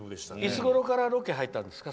いつごろからロケは入ったんですか？